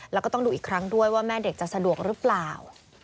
แล้วก็ต้องดูอีกครั้งด้วยว่าแม่เด็กจะสะดวกหรือเปล่า